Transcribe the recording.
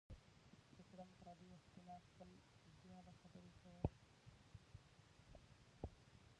چې کړم پردي وختونه خپل بیا به خبرې کوو